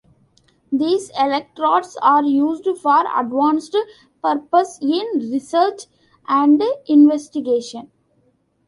These electrodes are used for advanced purposes in research and investigation.